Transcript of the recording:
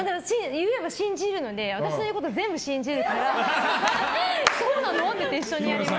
言えば信じるので私の言うことは全部信じるからそうなの？って言って一緒にやります。